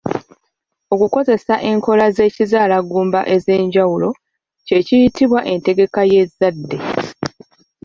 Okukozesa enkola z'ekizaalaggumba ez'enjawulo kye kiyitibwa entegeka y'ezzadde